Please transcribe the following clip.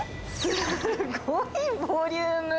すごいボリューム。